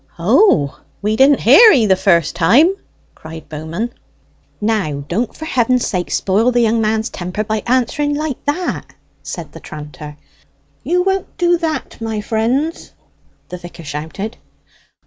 "Oh, we didn't hear 'ee the first time!" cried Bowman. "Now don't for heaven's sake spoil the young man's temper by answering like that!" said the tranter. "You won't do that, my friends!" the vicar shouted.